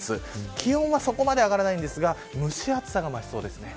気温はそこまで上がらないですが蒸し暑さが増すそうです。